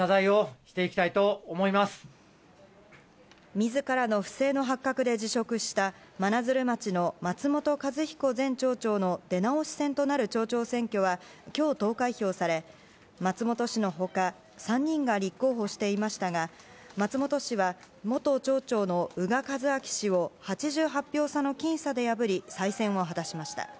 自らの不正の発覚で辞職した真鶴町の松本一彦前町長の出直し選となる町長選挙は今日、投開票され松本氏の他３人が立候補していましたが松本氏は、元町長の宇賀一章氏を８８票差の僅差で破り再選を果たしました。